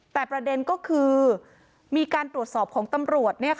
แต่ประเด็นก็คือมีการตรวจสอบของตำรวจ